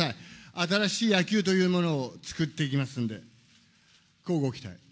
新しい野球というものを作っていきますんで、こうご期待。